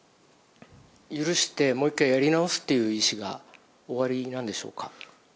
許して、もう一回やり直すっていう意思がおありなんでしょうか。